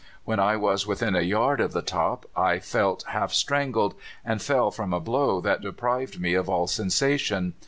"When I was within a yard of the top I felt half strangled, and fell from a blow that deprived me of all sensation.